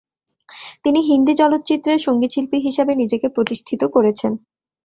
তিনি হিন্দি চলচ্চিত্রে সঙ্গীতশিল্পী হিসেবে নিজেকে প্রতিষ্ঠিত করেছেন।